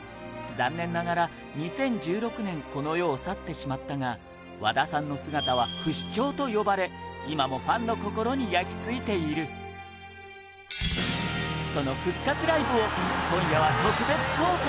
残念ながら、２０１６年この世を去ってしまったが和田さんの姿は不死蝶と呼ばれ今もファンの心に焼きついているその復活ライブを今夜は特別公開